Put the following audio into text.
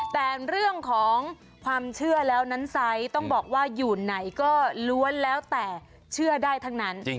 แต่เรื่องของความเชื่อแล้วนั้นไซส์ต้องบอกว่าอยู่ไหนก็ล้วนแล้วแต่เชื่อได้ทั้งนั้น